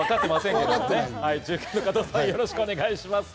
中継の加藤さん、よろしくお願いします。